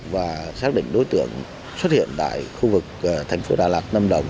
và xác định đối tượng xuất hiện tại khu vực thành phố đà lạt lâm đồng